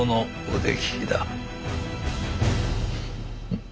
フッ。